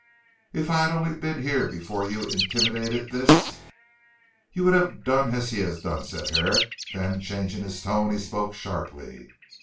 "If I had only been here before you intimidated this " "You would have done as he has done," said Herrick; then changing his tone, he spoke sharply.